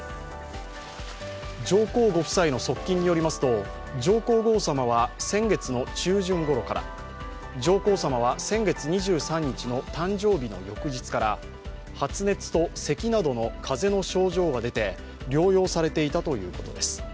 上皇ご夫妻の側近によりますと、上皇后さまは先月の中旬ごろから上皇さまは先月２３日の誕生日の翌日から発熱とせきなどの風邪の症状が出て療養されていたということです。